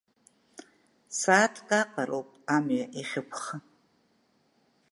Сааҭк аҟара ауп амҩа иахьықәха.